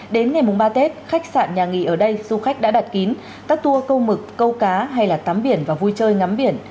đến ngày mùng ba tết khách sạn nhà nghỉ ở đây du khách đã đặt kín các tour câu mực câu cá hay là tắm biển và vui chơi ngắm biển